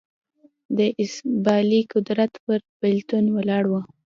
د اسامبلې قدرت پر بېلتون ولاړ و.